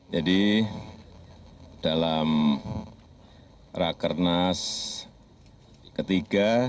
jadi dalam rakernas ketiga